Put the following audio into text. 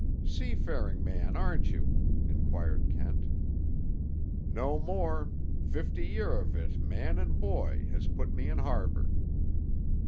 "Seafaring man, aren't you?" inquired Kent. "No more. Fifty year of it, man an' boy, has put me in harbor."